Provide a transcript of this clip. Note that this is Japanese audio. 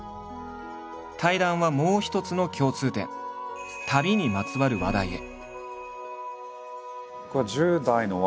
対談はもう一つの共通点「旅」にまつわる話題へ。